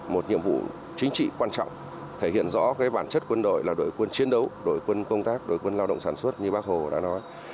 một nhiệm vụ chính trị quan trọng thể hiện rõ bản chất quân đội là đội quân chiến đấu đội quân công tác đội quân lao động sản xuất như bác hồ đã nói